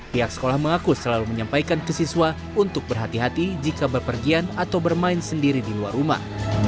pihak sekolah mengaku selalu menyampaikan ke siswa untuk berhati hati jika berpergian atau bermain sendiri di luar rumah